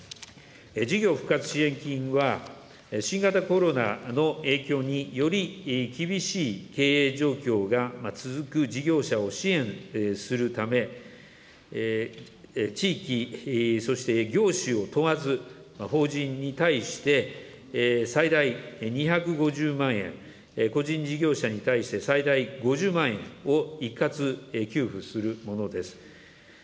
事業復活支援金は、新型コロナの影響により厳しい経営状況が続く事業者を支援するため、地域、そして業種を問わず、法人に対して、最大２５０万円、個人事業者に対して最大５０万円を一括給付するものです。